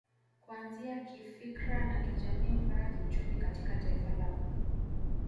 Kuanzia kifikra na kijamii mpaka kiuchumi katika taifa lao